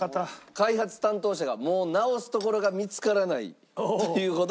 開発担当者がもう直すところが見つからないと言うほど。